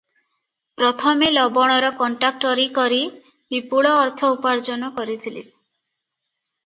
ପ୍ରଥମେ ଲବଣର କଣ୍ଟ୍ରାକ୍ଟରୀ କରି ବିପୁଳ ଅର୍ଥ ଉପାର୍ଜ୍ଜନ କରିଥିଲେ ।